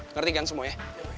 ngerti kan semua ya